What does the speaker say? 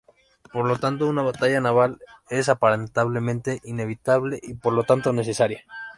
Por lo tanto, una batalla naval es aparentemente inevitable, y por lo tanto necesaria.